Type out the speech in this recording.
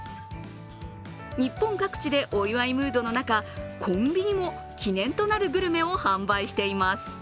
日本各地でお祝いムードの中、コンビニも記念となるグルメを販売しています。